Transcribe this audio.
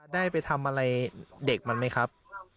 ได้ไปทำอะไรเด็กมันไหมครับ